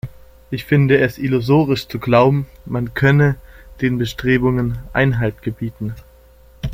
Ich finde es illusorisch zu glauben, man könne den Bestrebungen Einhalt gebieten.